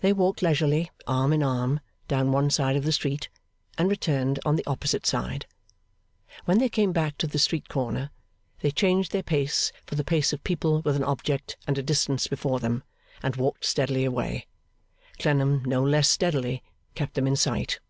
They walked leisurely arm in arm down one side of the street, and returned on the opposite side. When they came back to the street corner, they changed their pace for the pace of people with an object and a distance before them, and walked steadily away. Clennam, no less steadily, kept them in sight.